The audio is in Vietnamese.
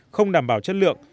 không đảm bảo chất lượng